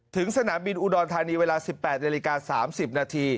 ถึงสนามบินอุดรธานีเวลา๑๘น๓๐น